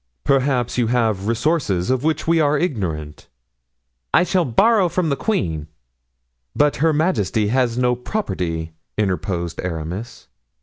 "Perhaps you have resources of which we are ignorant?" "I shall borrow from the queen." "But her majesty has no property," interposed Aramis.